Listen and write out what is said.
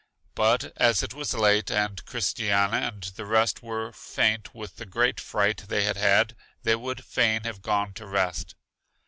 But as it was late, and Christiana and the rest were faint with the great fright they had had, they would fain have gone to rest.